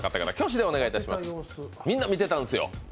みんな見てたんですよ。